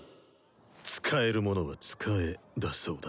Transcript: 「使えるものは使え」だそうだ。